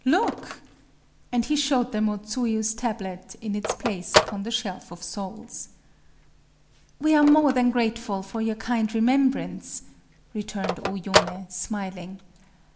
Look!" And he showed them O Tsuyu's tablet in its place upon the Shelf of Souls. "We are more than grateful for your kind remembrance," returned O Yoné, smiling….